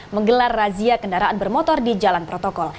menggelar razia kendaraan bermotor di jalan protokol